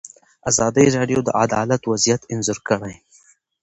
ازادي راډیو د عدالت وضعیت انځور کړی.